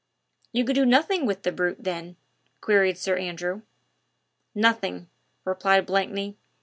"You could do nothing with the brute, then?" queried Sir Andrew. "Nothing," replied Blakeney.